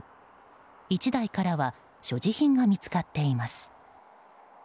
１台からは所持品が見つかっています。